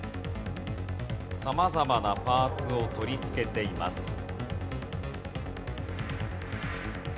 様々なパーツを取り付けています。